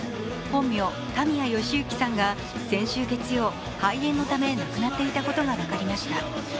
本名田宮淑行さんが先週月曜肺炎のため亡くなっていたことが分かりました。